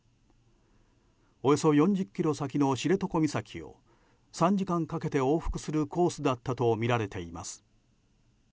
およそ４０ｋｍ先の知床岬を３時間かけて往復するコースだったとみられています。